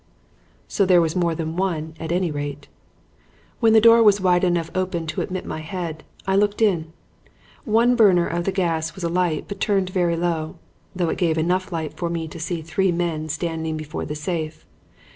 "So there was more than one at any rate. "When the door was wide enough open to admit my head, I looked in. One burner of the gas was alight but turned very low, though it gave enough light for me to see three men standing before the safe.